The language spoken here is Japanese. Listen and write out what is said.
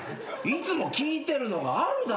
いつも聞いてるのがあるだろう。